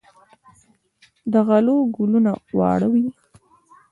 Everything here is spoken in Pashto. د غلو ګلونه واړه وي.